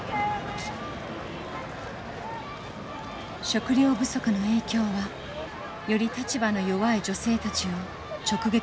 食料不足の影響はより立場の弱い女性たちを直撃していました。